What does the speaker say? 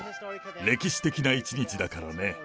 歴史的な一日だからね。